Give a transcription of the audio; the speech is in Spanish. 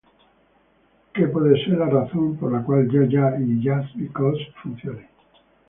Que puede ser la razón por la cual "Ya Ya" y "Just Because" funcionen.